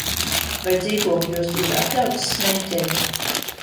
Vai dzīvokļos ir atļauts smēķēt?